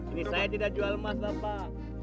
ini saya tidak jual emas bapak